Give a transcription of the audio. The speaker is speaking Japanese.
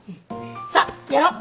さあやろう！